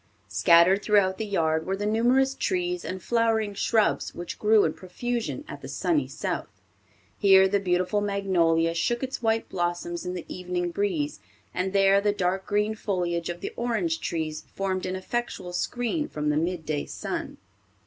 Scattered throughout the yard were the numerous trees and flowering shrubs which grow in profusion at the "sunny South." Here the beautiful magnolia shook its white blossoms in the evening breeze, and there the dark green foliage of the orange trees formed an effectual screen from the mid day sun.